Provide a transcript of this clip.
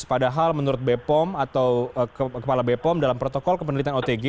padahal menurut bpom atau kepala bpom dalam protokol kepenelitian otg